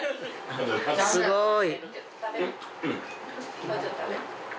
すごい。